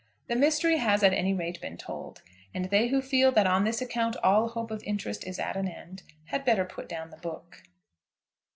The mystery has at any rate been told, and they who feel that on this account all hope of interest is at an end had better put down the book.